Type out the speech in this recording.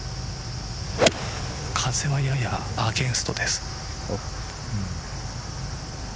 風はややアゲンストです。